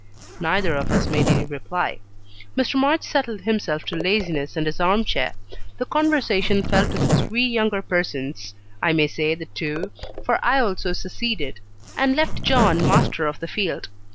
Neither of us made any reply. Mr. March settled himself to laziness and his arm chair; the conversation fell to the three younger persons I may say the two for I also seceded, and left John master of the field.